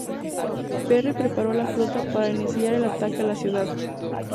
Perry preparó la flota para iniciar el ataque a la ciudad.